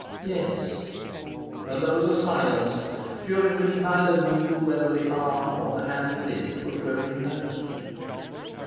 "Yes." And there was a silence, during which neither knew whether the arm or the hand within it were quivering most.